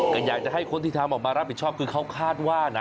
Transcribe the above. ก็อยากจะให้คนที่ทำออกมารับผิดชอบคือเขาคาดว่านะ